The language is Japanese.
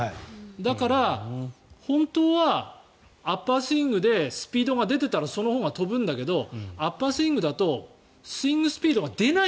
だから、本当はアッパースイングでスピードが出ていたらそのほうが飛ぶんだけどアッパースイングだとスイングスピードが出ない。